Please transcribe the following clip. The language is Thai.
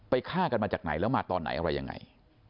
ฆ่ากันมาจากไหนแล้วมาตอนไหนอะไรยังไง